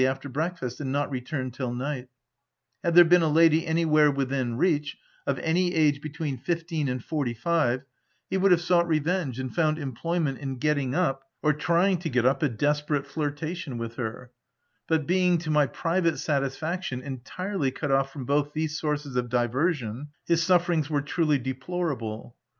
87 after breakfast, and not returned till night ; had there been a lady anywhere within reach, of any age between fifteen and forty five, he would have sought revenge and found employ ment in getting up — or trying to get up a des perate flirtation with her ; but being, to my private satisfaction, entirely cut off from both these sources of diversion, his sufferings were truly deplorable.